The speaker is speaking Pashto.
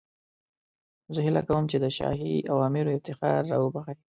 زه هیله کوم چې د شاهي اوامرو افتخار را وبخښئ.